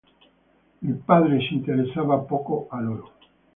Il padre si interessava poco a loro.